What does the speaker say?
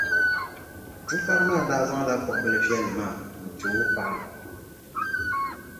Pukpara maa daa zaŋla kuɣʼ bilʼ viɛlli maa n-ti o paɣa.